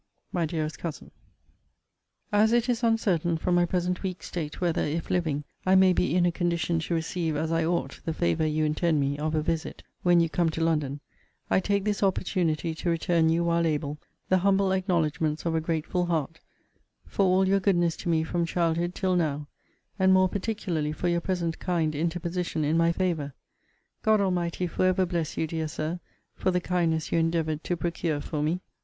MY DEAREST COUSIN, As it is uncertain, from my present weak state, whether, if living, I may be in a condition to receive as I ought the favour you intend me of a visit, when you come to London, I take this opportunity to return you, while able, the humble acknowledgments of a grateful heart, for all your goodness to me from childhood till now: and more particularly for your present kind interposition in my favour God Almighty for ever bless you, dear Sir, for the kindness you endeavoured to procure for me!